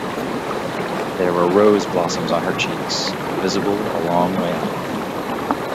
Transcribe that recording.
There were rose blossoms on her cheeks, visible a long way off.